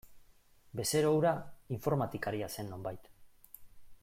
Bezero hura informatikaria zen nonbait.